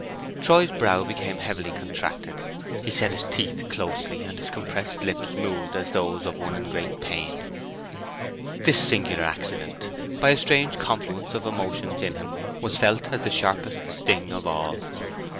Troy's brow became heavily contracted. He set his teeth closely, and his compressed lips moved as those of one in great pain. This singular accident, by a strange confluence of emotions in him, was felt as the sharpest sting of all.